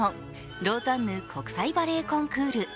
ローザンヌ国際バレエコンクール。